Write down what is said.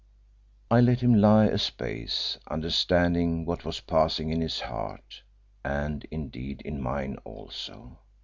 I let him lie a space, understanding what was passing in his heart, and indeed in mine also.